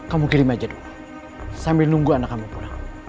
kamu kirim aja dulu sambil nunggu anak kamu pulang